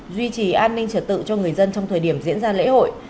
duy trì an ninh trở tự cho người dân trong thời điểm diễn ra lễ hội